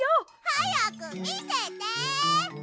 はやくみせて！